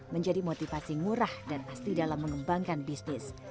menjadi motivasi murah dan asli dalam mengembangkan bisnis